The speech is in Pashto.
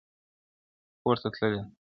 پورته تللې ده,